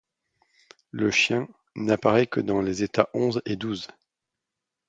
Le chien n'apparaît que dans les états onze et douze.